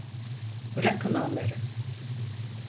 Bırakın onları!